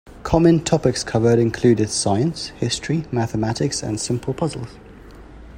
Common topics covered included science, history, mathematics, and simple puzzles.